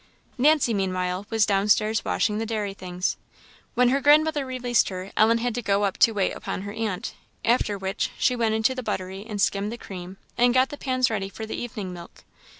Nancy, meanwhile, was downstairs washing the dairy things. When her grandmother released her, Ellen had to go up to wait upon her aunt; after which, she went into the buttery, and skimmed the cream, and got the pans ready for the evening milk.